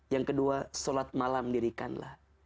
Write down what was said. yang kedua sholat malam dirikanlah